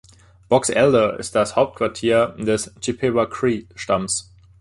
Box Elder ist das Hauptquartier des Chippewa-Cree-Stammes.